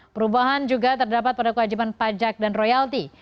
perubahan juga terdapat pada kewajiban pajak dan royalti